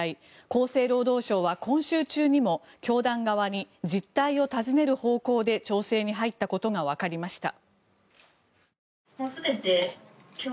厚生労働省は今週中にも教団側に実態を尋ねる方向で調整に入ったことがわかりました。